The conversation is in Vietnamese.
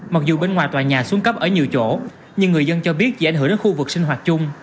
mặc dù bên ngoài tòa nhà xuống cấp ở nhiều chỗ nhưng người dân cho biết dễ ảnh hưởng đến khu vực sinh hoạt chung